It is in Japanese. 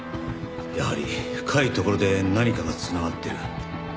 やはり深いところで何かが繋がってる。